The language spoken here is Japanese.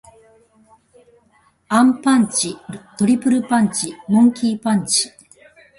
アンパンチ。トリプルパンチ。モンキー・パンチ。